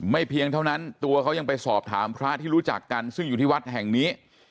เพียงเท่านั้นตัวเขายังไปสอบถามพระที่รู้จักกันซึ่งอยู่ที่วัดแห่งนี้